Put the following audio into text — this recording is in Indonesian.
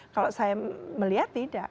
kalau saya melihat tidak